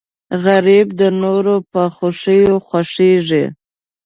غریب د نورو په خوښیو خوښېږي